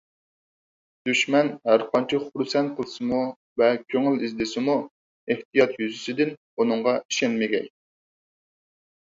دۈشمەن ھەرقانچە خۇرسەن قىلسىمۇ ۋە كۆڭۈل ئىزدىسىمۇ، ئېھتىيات يۈزىسىدىن ئۇنىڭغا ئىشەنمىگەي.